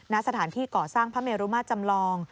ณสถานที่ก่อสร้างพระเมรุมาตรจำลอง